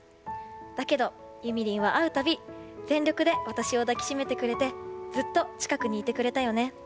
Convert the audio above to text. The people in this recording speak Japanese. だけど、ゆみりんは会うたび全力で私を抱き締めてくれてずっと近くにいてくれたよね。